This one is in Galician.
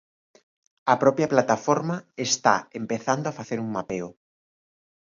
A propia plataforma está empezando a facer un mapeo.